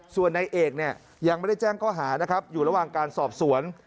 ส่วนในเอกเนี่ยยังไม่ได้แจ้งข้อหานะครับอยู่ระหว่างการสอบสวน